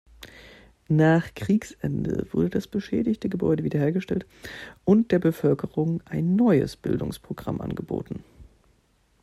Nach Kriegsende wurde das beschädigte Gebäude wiederhergestellt und der Bevölkerung ein neues Bildungsprogramm angeboten.